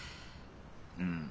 うん。